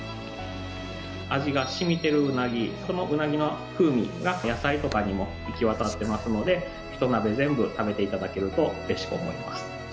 味が染みてるそのうなぎの風味が野菜とかにも行き渡ってますのでひと鍋全部食べていただけるとうれしく思います。